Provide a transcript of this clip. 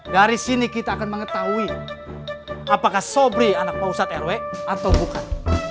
dari sini kita akan mengetahui apakah sobri anak mausat rw atau bukan